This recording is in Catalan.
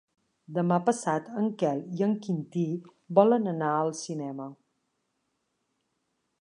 Demà passat en Quel i en Quintí volen anar al cinema.